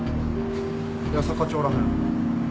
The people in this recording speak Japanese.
八坂町らへん。